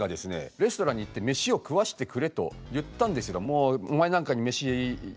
レストランに行って「飯を食わしてくれ」と言ったんですがお前なんかに飯やるかと。